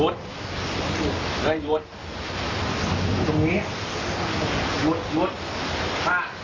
เดี๋ยวนะเดี๋ยวนะตอนนี้